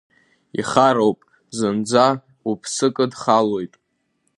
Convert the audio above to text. Ихароуп, зынӡа уԥсы кыдхалоит.